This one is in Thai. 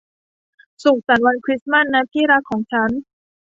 สุขสันต์วันคริสต์มาสนะที่รักของฉัน